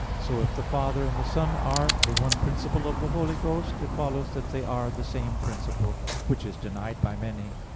So if the Father and the Son are the one principle of the Holy Ghost, it follows that they are the same principle; which is denied by many.